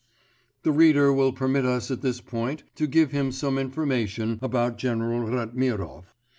The reader will permit us at this point to give him some information about General Ratmirov.